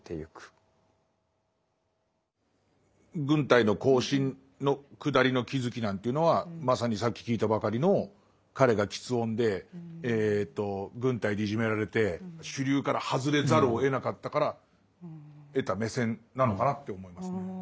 軍隊の行進のくだりの気付きなんていうのはまさにさっき聞いたばかりの彼が吃音で軍隊でいじめられて主流から外れざるをえなかったから得た目線なのかなって思いますね。